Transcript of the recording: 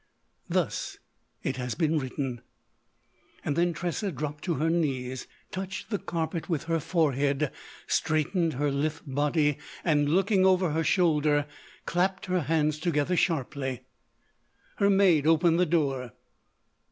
"Thus it has been written." Then Tressa dropped to her knees, touched the carpet with her forehead, straightened her lithe body and, looking over her shoulder, clapped her hands together sharply. Her maid opened the door.